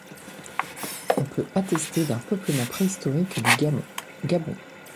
On peut attester d'un peuplement préhistorique du Gabon.